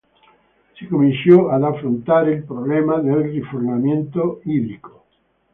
Si cominciò ad affrontare il problema del rifornimento idrico.